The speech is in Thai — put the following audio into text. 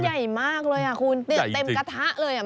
ไข่มันใหญ่มากเลยอ่ะคุณเตรียมเต็มกระทะเลยอ่ะ